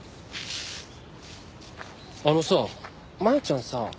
あのさ舞ちゃんさ